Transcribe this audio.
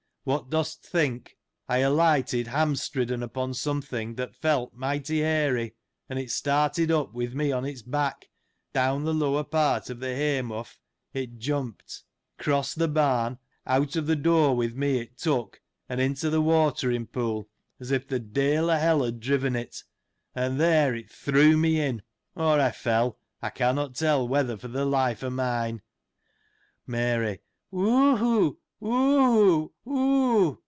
what dost t' think ? I alighted ham stridden upon something that felt mighty hairy ; and it started up, with me on its back ; down the lower part of the hay mough it jump ed ; crossed the barn ; out of the door with me it took ; and into the watering pool, as if the de'il o' hell had driven it; and there it threw me in, or I fell, I cannot tell whether, for the life of mine. Mary. — Whoo who — whoo who — wlioo